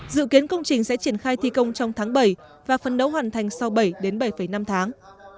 dự kiến công trình sẽ triển khai thi công trong tháng bảy và phân đấu hoàn thành sau bảy đến bảy năm tháng